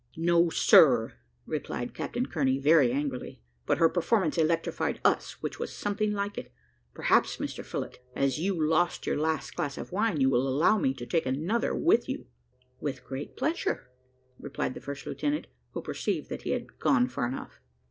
"No, sir," replied Captain Kearney, very angrily; "but her performance electrified us, which was something like it. Perhaps, Mr Phillott, as you lost your last glass of wine, you will allow me to take another with you?" "With great pleasure," replied the first lieutenant, who perceived that he had gone far enough.